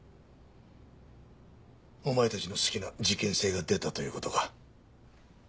お前たちの好きな事件性が出たという事か。